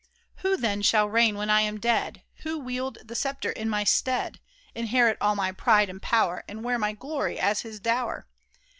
Who, then, shall reign when I am dead ? Who wield the sceptre in my stead ? Inherit all my pride and power, And wear my glory as his dower